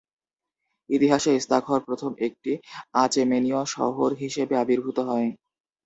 ইতিহাসে ইস্তাখর প্রথম একটি আচেমেনীয় শহর হিসেবে আবির্ভূত হয়।